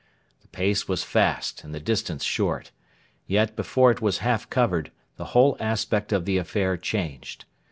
The pace was fast and the distance short. Yet, before it was half covered, the whole aspect of the affair changed.